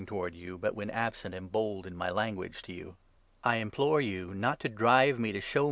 towartis VOU) j,ut> wnen absent, am bold in my language to you" — I implore you not to drive me to "show 7 Prov.